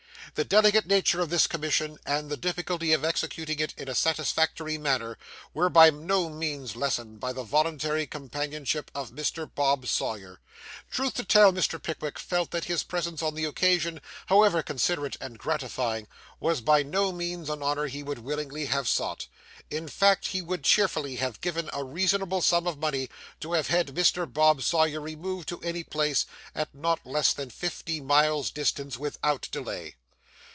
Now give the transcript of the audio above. The delicate nature of this commission, and the difficulty of executing it in a satisfactory manner, were by no means lessened by the voluntary companionship of Mr. Bob Sawyer. Truth to tell, Mr. Pickwick felt that his presence on the occasion, however considerate and gratifying, was by no means an honour he would willingly have sought; in fact, he would cheerfully have given a reasonable sum of money to have had Mr. Bob Sawyer removed to any place at not less than fifty miles' distance, without delay.